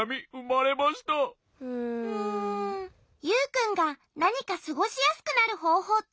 ユウくんがなにかすごしやすくなるほうほうってないのかな？